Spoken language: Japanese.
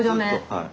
はい。